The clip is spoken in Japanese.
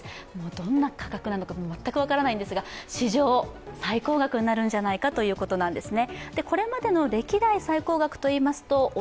どんな価格なのか全くわからないのですが史上最高額になるんじゃないかというんですね。